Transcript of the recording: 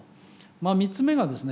３つ目がですね